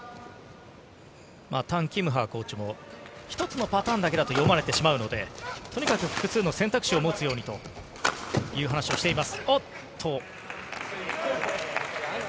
タンキムハーコーチも、一つのパターンだけだと読まれてしまうので、とにかく複数の選択肢を持つようにという話をしています。